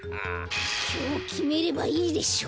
きょうきめればいいでしょ！